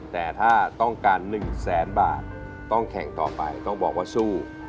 แต่ถ้าต้องการ๑แสนบาทต้องแข่งต่อไปต้องบอกว่าสู้